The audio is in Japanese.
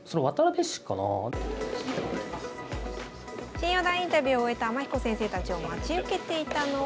新四段インタビューを終えた天彦先生たちを待ち受けていたのは。